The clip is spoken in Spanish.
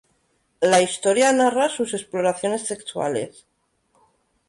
La historia narra sus exploraciones sexuales.